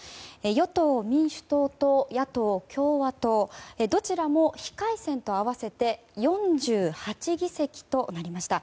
与党・民主党と野党・共和党どちらも非改選と合わせて４８議席となりました。